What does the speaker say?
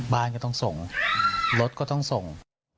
บ้านก็ต้องส่งรถก็ต้องส่ง